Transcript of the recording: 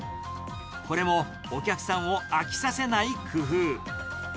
これもお客さんを飽きさせない工夫。